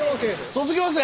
卒業生？